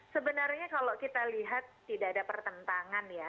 sebenarnya kalau kita lihat tidak ada pertentangan ya